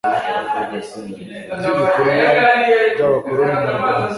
by'ibikorwa by'abakoloni mu Rwanda